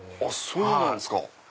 そうなんですか。